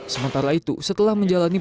sementara itu setelah menjalani